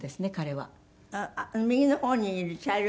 はい。